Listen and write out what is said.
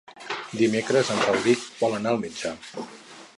Dimecres en Rauric vol anar al metge.